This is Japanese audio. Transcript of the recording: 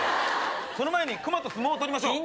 その前に熊と相撲取りましょう。